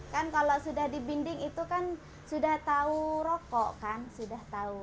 kan kalau sudah di binding itu kan sudah tahu rokok kan sudah tahu